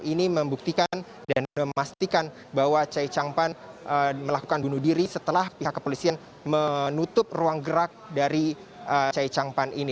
ini membuktikan dan memastikan bahwa chai chang pan melakukan bunuh diri setelah pihak kepolisian menutup ruang gerak dari chai chang pan ini